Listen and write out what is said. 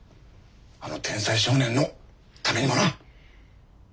あの天才少年のためにもな。